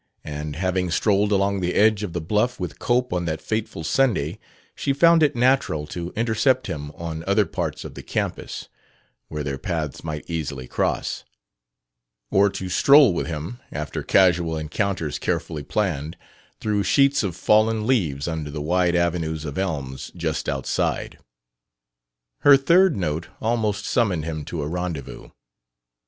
And having strolled along the edge of the bluff with Cope on that fateful Sunday, she found it natural to intercept him on other parts of the campus (where their paths might easily cross), or to stroll with him, after casual encounters carefully planned, through sheets of fallen leaves under the wide avenues of elms just outside. Her third note almost summoned him to a rendezvous.